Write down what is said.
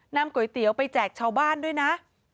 ก๋วยเตี๋ยวไปแจกชาวบ้านด้วยนะ